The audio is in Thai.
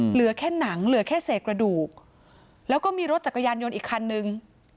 เหลือแค่หนังเหลือแค่เศษกระดูกแล้วก็มีรถจักรยานยนต์อีกคันนึง